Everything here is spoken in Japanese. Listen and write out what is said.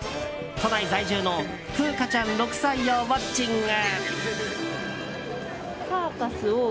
都内在住の楓椛ちゃん、６歳をウォッチング。